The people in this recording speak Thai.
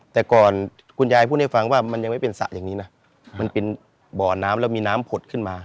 แต่ก่อนคุณยายพูดให้ฟังว่ามันยังไม่เป็นสระอย่างนี้นะมันเป็นบ่อน้ำแล้วมีน้ำผุดขึ้นมา